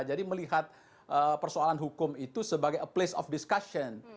jadi melihat persoalan hukum itu sebagai a place of discussion